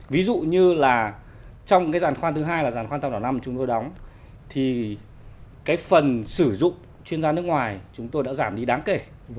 ví dụ như là trong cái giàn khoan thứ hai là giàn khoan tam đảo năm chúng tôi đóng thì cái phần sử dụng chuyên gia nước ngoài chúng tôi đã giảm đi đáng kể